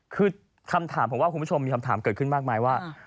คือคำถามผมว่าคุณผู้ชมมีคำถามเกิดขึ้นมากมายว่า